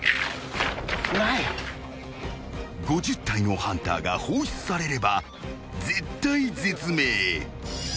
［５０体のハンターが放出されれば絶体絶命］